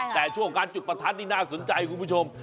แต่ช่วงการจุดประทัดนี่น่าสนใจคุณผู้ชม